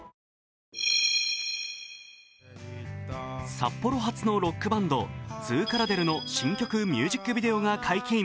札幌発のロックバンドズーカラデルの新曲ミュージックビデオが解禁。